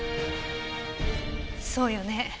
そうよね